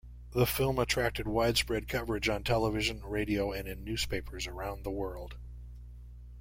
The film attracted widespread coverage on television, radio and in newspapers around the world.